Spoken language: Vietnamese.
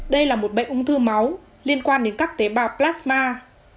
đây là một bệnh ung thư máu liên quan đến các tế bào plasma